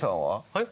はい？